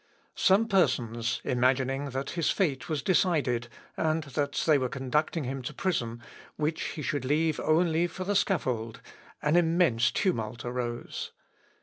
Some persons imagining that his fate was decided, and that they were conducting him to prison, which he should leave only for the scaffold, an immense tumult arose.